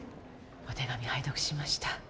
お手紙拝読しました。